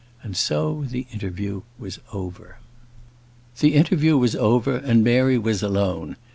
And so the interview was over. The interview was over, and Mary was alone.